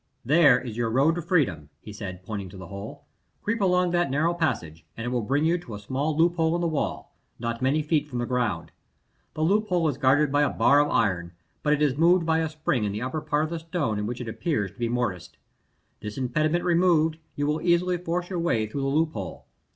"There is your road to freedom," he said, pointing to the hole. "Creep along that narrow passage, and it will bring you to a small loophole in the wall, not many feet from the ground. The loophole is guarded by a bar of iron, but it is moved by a spring in the upper part of the stone in which it appears to be mortised. This impediment removed, you will easily force your way through the loophole.